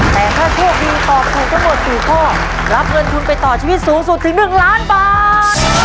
แต่ถ้าโชคดีตอบถูกทั้งหมด๔ข้อรับเงินทุนไปต่อชีวิตสูงสุดถึง๑ล้านบาท